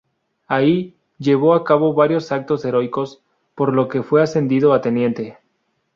Ahí, llevó a cabo varios actos heroicos, por lo que fue ascendido a teniente.